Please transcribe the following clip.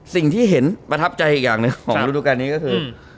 สิ่งอีกพับจัยมากของณุครูการนี้ก็คือ